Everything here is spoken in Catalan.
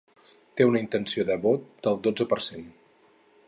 Té una intenció de vot del dotze per cent.